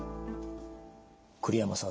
栗山さん